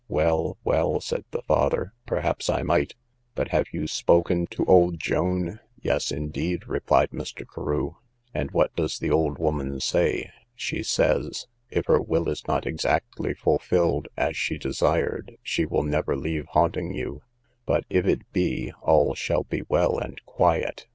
Well, well, said the father, perhaps I might; but have you spoken to old Joan? Yes, indeed, replied Mr. Carew. And what does the old woman say? she says, if her will is not exactly fulfilled as she desired, she will never leave haunting you; but, if it be, all shall be well and quiet.